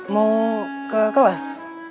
mau ke kelas